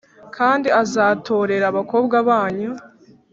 Kandi azatorera abakobwa banyu